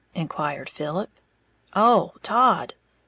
inquired Philip. "Oh, Todd.